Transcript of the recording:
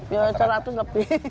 ya rp seratus lebih